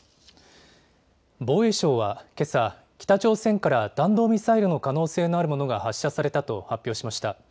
防衛省はけさ、北朝鮮から弾道ミサイルの可能性のあるものが発射されたと発表しました。